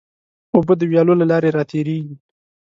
اوبه د ویالو له لارې راتېرېږي.